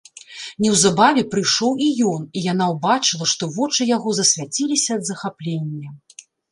Неўзабаве прыйшоў і ён, і яна ўбачыла, што вочы яго засвяціліся ад захаплення.